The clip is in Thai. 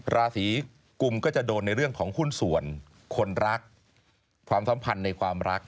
ราศีกุมก็จะโดนในเรื่องของหุ้นส่วนคนรักความสัมพันธ์ในความรัก